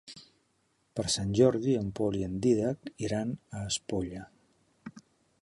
Per Sant Jordi en Pol i en Dídac iran a Espolla.